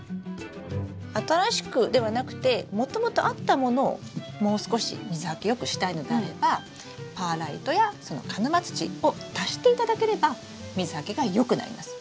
新しくではなくてもともとあったものをもう少し水はけよくしたいのであればパーライトや鹿沼土を足していただければ水はけがよくなります。